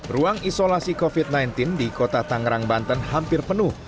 ruang isolasi covid sembilan belas di kota tangerang banten hampir penuh